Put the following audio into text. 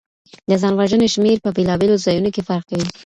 د ځان وژنې شمېر په بیلابیلو ځایونو کي فرق کوي.